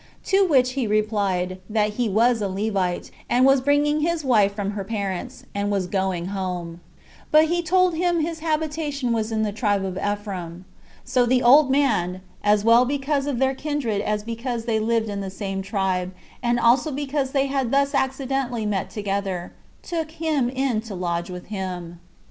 To which he replied, that he was a Levite, and was bringing his wife from her parents, and was going home; but he told him his habitation was in the tribe of Ephraim: so the old man, as well because of their kindred as because they lived in the same tribe, and also because they had thus accidentally met together, took him in to lodge with him.